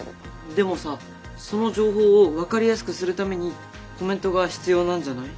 でもさその情報を分かりやすくするためにコメントが必要なんじゃない？